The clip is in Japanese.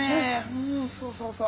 うんそうそうそう。